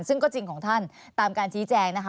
ซึ่งก็จริงของท่านตามการชี้แจงนะคะ